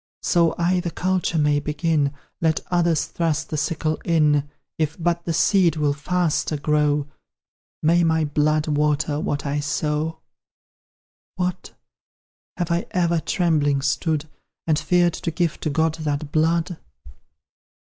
So I the culture may begin, Let others thrust the sickle in; If but the seed will faster grow, May my blood water what I sow! What! have I ever trembling stood, And feared to give to God that blood?